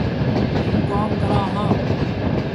هوُن ڪوم ڪرون هون۔